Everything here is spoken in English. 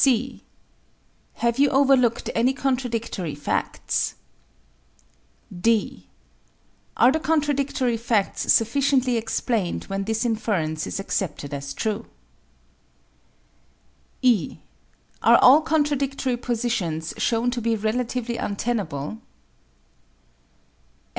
(c) Have you overlooked any contradictory facts? (d) Are the contradictory facts sufficiently explained when this inference is accepted as true? (e) Are all contrary positions shown to be relatively untenable?